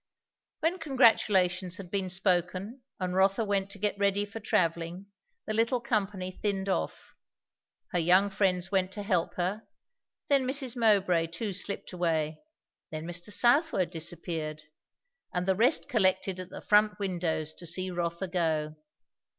When congratulations had been spoken and Rotha went to get ready for travelling, the little company thinned off. Her young friends went to help her; then Mrs. Mowbray too slipped away; then Mr. Southwode disappeared; and the rest collected at the front windows to see Rotha go.